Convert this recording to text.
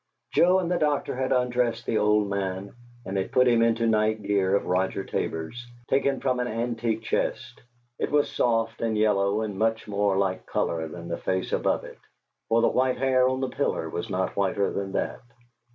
Joe and the doctor had undressed the old man, and had put him into night gear of Roger Tabor's, taken from an antique chest; it was soft and yellow and much more like color than the face above it, for the white hair on the pillow was not whiter than that.